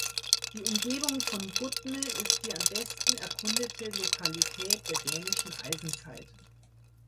Die Umgebung von Gudme ist die am besten erkundete Lokalität der dänischen Eisenzeit.